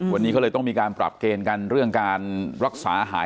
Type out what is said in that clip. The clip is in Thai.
วันนี้เขาเลยต้องมีการปรับเกณฑ์กันเรื่องการรักษาหาย